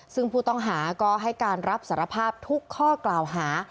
ซึ่งผู้ต้องหาก็ให้การรับสารภาพทุกข้อกล่าวหา